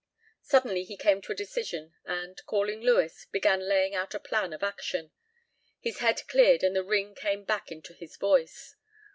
Suddenly he came to a decision and, calling Lewis, began laying out a plan of action. His head cleared and the ring came back into his voice.